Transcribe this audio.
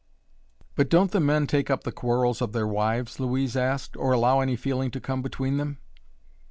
"But don't the men take up the quarrels of their wives," Louise asked, "or allow any feeling to come between them?"